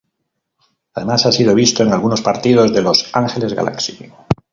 Además ha sido visto en algunos partidos de Los Ángeles Galaxy.